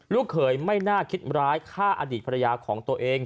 เขยไม่น่าคิดร้ายฆ่าอดีตภรรยาของตัวเอง